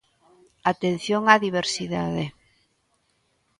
Atención á diversidade.